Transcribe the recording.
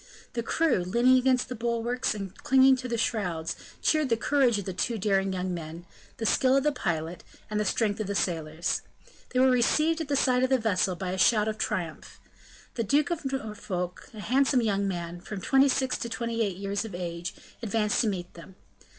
The crew, leaning against the bulwarks and clinging to the shrouds, cheered the courage of the two daring young men, the skill of the pilot, and the strength of the sailors. They were received at the side of the vessel by a shout of triumph. The Duke of Norfolk, a handsome young man, from twenty six to twenty eight years of age, advanced to meet them.